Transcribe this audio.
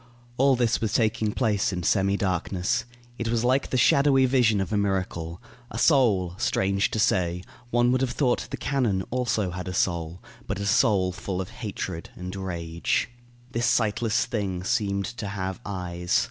All this was taking place in semi darkness. It was like the shadowy vision of a miracle. A soul strange to say, one would have thought the cannon also had a soul; but a soul full of hatred and rage. This sightless thing seemed to have eyes.